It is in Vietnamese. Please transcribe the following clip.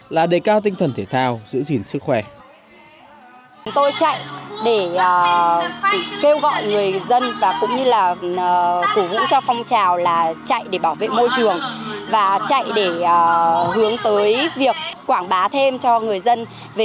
là đề cao tinh thần thể thao giữ gìn sức khỏe